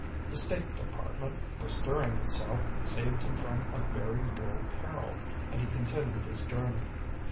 The State Department, bestirring itself, saved him from a very real peril, and he continued his journey.